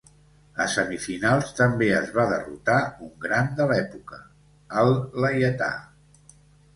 A semifinals també es va derrotar un gran de l'època, el Laietà.